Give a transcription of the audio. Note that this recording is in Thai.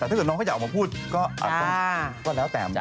แต่ถ้าเกิดน้องเขาก็อยากจะออกมาพูด